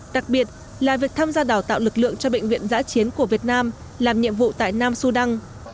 đặc biệt là việc tham gia đào tạo lực lượng cho bệnh viện giã chiến của việt nam làm nhiệm vụ tại nam sudan